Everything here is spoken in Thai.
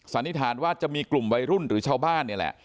สันนิษฐานว่าจะมีกลุ่มวัยรุ่นหรือชาวบ้านนี่แหละ